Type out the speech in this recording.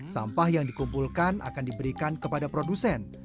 sampah yang dikumpulkan akan diberikan kepada produsen